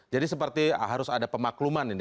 jadi seperti harus ada pemakluman ini